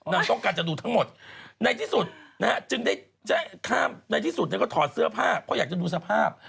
นางต้องการจะดูทั้งหมดในที่สุดก็ถอดเสื้อผ้าเพราะอยากจะดูสภาพ